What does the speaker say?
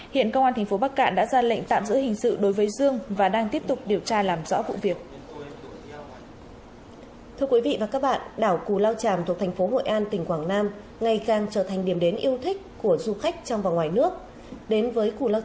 hiện công an tp bắc cạn đã ra lệnh tạm giữ hình sự đối với dương và đang tiếp tục điều tra làm rõ vụ việc